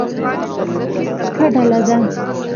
ښه ډله ده.